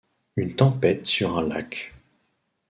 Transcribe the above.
Une tempête sur un lac —